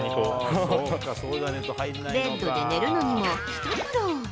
ベッドで寝るのにも一苦労。